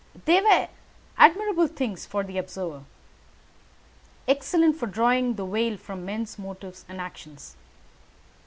They were admirable things for the observer excellent for drawing the veil from men's motives and actions.